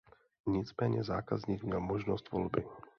Nicméně zákazník měl možnost volby.